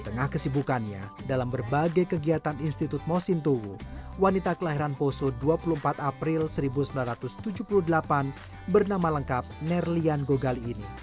di tengah kesibukannya dalam berbagai kegiatan institut mosintowo wanita kelahiran poso dua puluh empat april seribu sembilan ratus tujuh puluh delapan bernama lengkap nerlian gogali ini